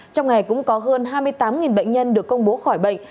trong ngày cũng có hơn hai mươi tám bệnh nhân được công bố khỏi bệnh